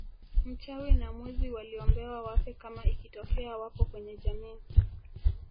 Mchawi na mwizi waliombewa wafe kama ikitokea wapo kwenye jamii